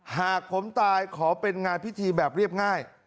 หากผมตายขอเป็นงานพิธีแบบเรียบง่าย